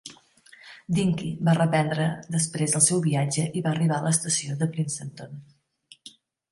Dinky va reprendre després el seu viatge i va arribar a l'estació de Princeton.